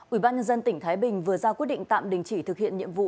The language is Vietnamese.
ủy ban nhân dân tỉnh thái bình vừa ra quyết định tạm đình chỉ thực hiện nhiệm vụ